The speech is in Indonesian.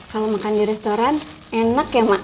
kalau makan di restoran enak ya mak